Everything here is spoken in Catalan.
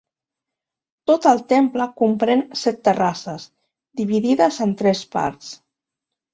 Tot el temple comprèn set terrasses, dividides en tres parts.